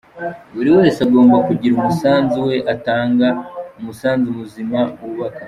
Buri wese agomba kugira umusanzu we, atanga, umusanzu muzima wubaka.